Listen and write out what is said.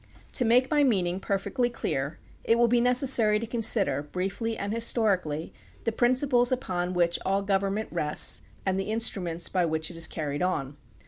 To make my meaning perfectly clear it will be neces sary to consider briefly and historically the principles upon which all government rests and the instruments by which it is carried on.